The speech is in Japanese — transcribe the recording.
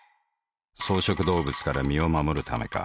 草食動物から身を護るためか。